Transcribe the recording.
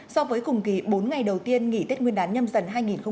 so với cùng kỳ bốn ngày đầu tiên nghỉ tết nguyên đán nhâm dần hai nghìn hai mươi ba